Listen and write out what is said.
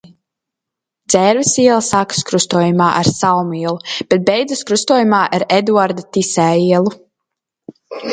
Dzērves iela sākas krustojumā ar Salmu ielu, bet beidzas krustojumā ar Eduarda Tisē ielu.